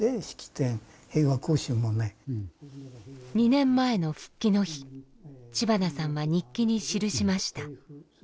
２年前の復帰の日知花さんは日記に記しました。